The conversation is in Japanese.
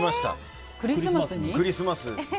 クリスマスです。